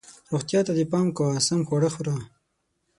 روغتیا ته دې پام کوه ، سم خواړه خوره